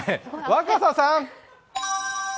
若狭さん！